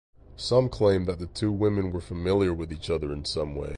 Some claim that the two women were familiar with each other in some way.